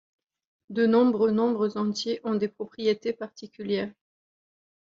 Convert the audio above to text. De nombreux nombres entiers ont des propriétés particulières.